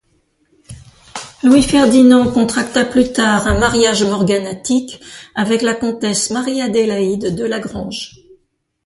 Louis-Ferdinand contracta plus tard un mariage morganatique avec la comtesse Marie-Adélaïde de la Grange.